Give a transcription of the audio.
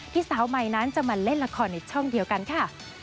สาวใหม่นั้นจะมาเล่นละครในช่องเดียวกันค่ะ